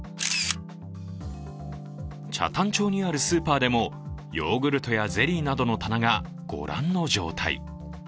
北谷町にあるスーパーでもヨーグルトやゼリーなどの棚が御覧の状態。